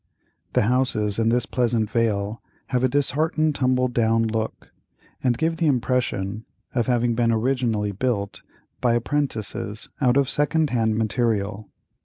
The houses in this pleasant vale have a disheartened tumble down look, and give the impression of having been originally built by apprentices out of second hand material.